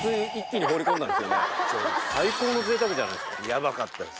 ヤバかったです。